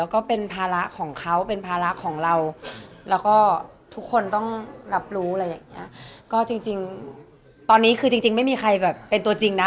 ก็จริงตอนนี้คือจริงไม่มีใครแบบเป็นตัวจริงนะ